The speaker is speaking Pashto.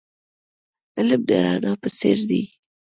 علم د رڼا په څیر دی .